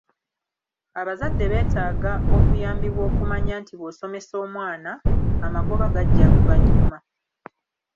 Abazadde beetaaga okuyambibwa okumanya nti bw'osomesa omwana, amagoba gajja luvannyuma.